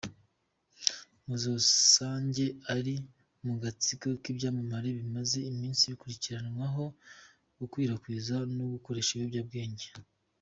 Masogange ari mu gatsiko k’ibyamamare bimaze iminsi bikurikiranwaho gukwirakwiza no gukoresha ibiyobyabwenge.